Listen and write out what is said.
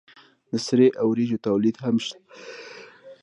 د سرې او وریجو تولید هم شته.